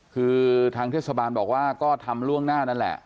คือทางเทศบาลบอกว่าก็ทำล่วงหน้านั่นแหละ